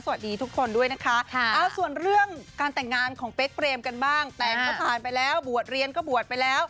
สวัสดีทุกคนด้วยนะคะส่วนเรื่องการแต่งงานของเป๊กเปรมกันบ้างแต่งก็ผ่านไปแล้วบวชเรียนก็บวชไปแล้ว